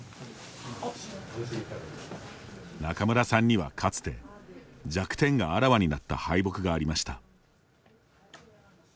仲邑さんにはかつて弱点があらわになった敗北がありました。